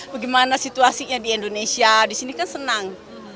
bagaimana situasinya di indonesia disini kan senang